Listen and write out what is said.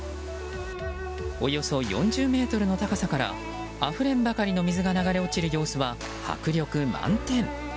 およそ４０ｍの高さからあふれんばかりの水が流れ落ちる様子は迫力満点。